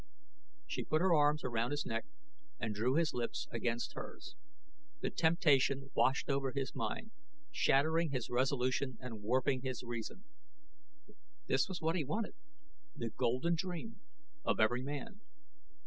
She put her arms around his neck and drew his lips against hers. The temptation washed over his mind, shattering his resolution and warping his reason. This was what he wanted: the golden dream of every man.